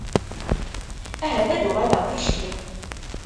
Ahat ad d-uɣaleɣ ticki.